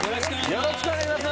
よろしくお願いします。